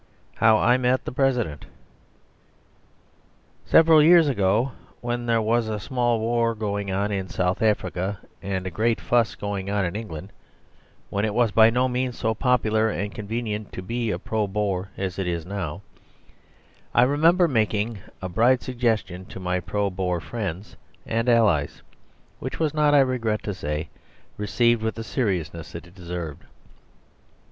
How I Met the President Several years ago, when there was a small war going on in South Africa and a great fuss going on in England, when it was by no means so popular and convenient to be a Pro Boer as it is now, I remember making a bright suggestion to my Pro Boer friends and allies, which was not, I regret to say, received with the seriousness it deserved.